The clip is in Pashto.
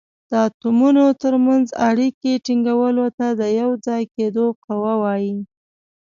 د اتومونو تر منځ اړیکې ټینګولو ته د یو ځای کیدو قوه وايي.